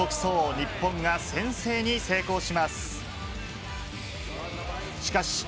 日本が先制に成功します。